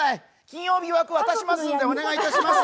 金曜日枠渡しますんでお願いします。